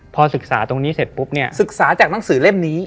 พอศึกษาตรงนี้เสร็จปุ๊บเนี่ยศึกษาจากหนังสือเล่มนี้